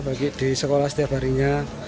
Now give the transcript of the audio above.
bagi di sekolah setiap harinya